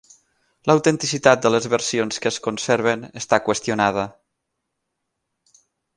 L'autenticitat de les versions que es conserven està qüestionada.